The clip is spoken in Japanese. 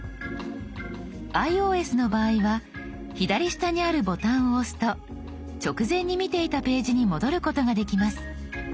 ｉＯＳの場合は左下にあるボタンを押すと直前に見ていたページに戻ることができます。